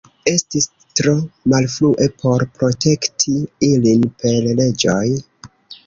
Estis tro malfrue por protekti ilin per leĝoj.